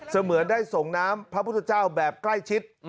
เหมือนได้ส่งน้ำพระพุทธเจ้าแบบใกล้ชิด